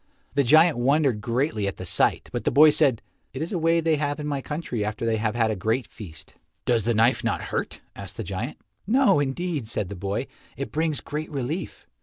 The giant wondered greatly at the sight, but the boy said, "It is a way they have in my country after they have had a great feast." "Does the knife not hurt?" asked the giant. "No, indeed," said the boy, "it brings great relief."